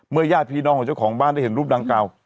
ญาติพี่น้องของเจ้าของบ้านได้เห็นรูปดังกล่าว